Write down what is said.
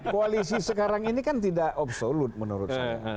koalisi sekarang ini kan tidak absolut menurut saya